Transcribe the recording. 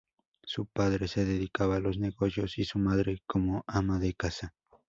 Su padre se dedicaba a los negocios y su madre como ama de casa.